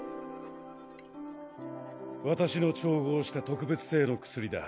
私の調合した特別製の薬だ。